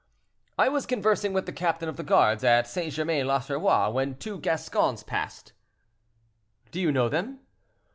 "I was conversing with the captain of the guards at St. Germain l'Auxerrois, when two Gascons passed—" "Do you know them?"